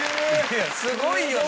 すごいよね！